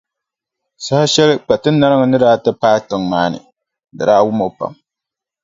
Saha shɛli Kpatinariŋga ni daa ti paai tiŋa maa ni, di daa wum o pam.